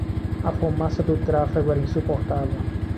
A fumaça do tráfego era insuportável.